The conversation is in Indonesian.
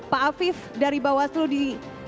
pak afif dari bawah seluruh di